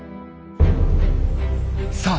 さあ